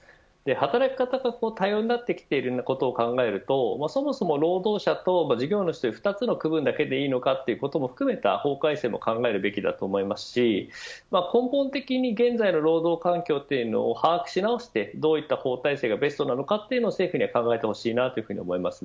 働き方が多様になってきていることを考えるとそもそも、労働者と事業主という２つの区分だけでいいのかということも含めた法改正も考えるべきだと思いますし根本的に現在の労働環境を把握し直してどういった法体制がベストなのかを政府には考えてほしいと思います。